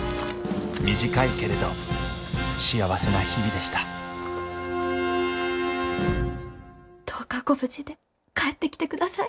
短いけれど幸せな日々でしたどうかご無事で帰ってきてください。